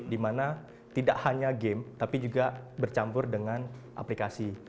dimana tidak hanya game tapi juga bercampur dengan aplikasi